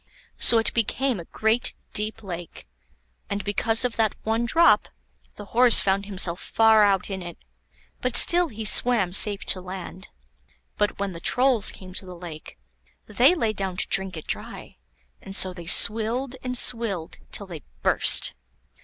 So it became a great deep lake; and because of that one drop, the horse found himself far out in it, but still he swam safe to land. But when the Trolls came to the lake, they lay down to drink it dry; and so they swilled and swilled till they burst.